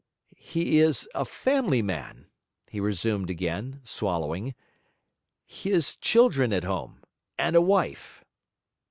'He is a family man,' he resumed again, swallowing; 'he has children at home and a wife.'